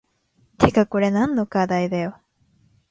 てかこれ何の課題だよ